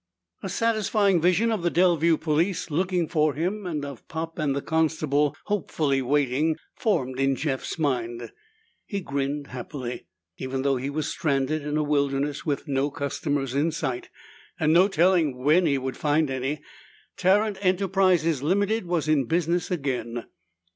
A satisfying vision of the Delview police looking for him, and of Pop and the constable hopefully waiting, formed in Jeff's mind. He grinned happily. Even though he was stranded in a wilderness with no customers in sight, and no telling when he would find any, Tarrant Enterprises, Ltd., was in business again.